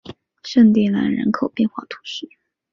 圣蒂兰人口变化图示